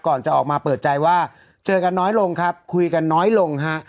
ก่อนจะออกมาเปิดใจว่าเจอกันน้อยลงครับคุยกันน้อยลงฮะ